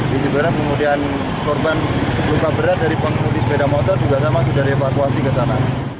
di cibeda kemudian korban luka berat dari pengemudi sepeda motor juga sama sudah dievakuasi ke sana